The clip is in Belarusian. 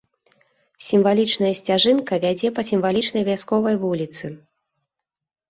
Сімвалічная сцяжынка вядзе па сімвалічнай вясковай вуліцы.